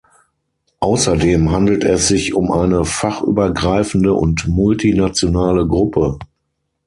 Außerdem handelt es sich um eine fachübergreifende und multinationale Gruppe.